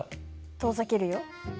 遠ざけるよ。